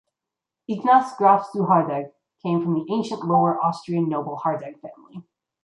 Ignaz Graf zu Hardegg came from the ancient Lower Austrian noble Hardegg family.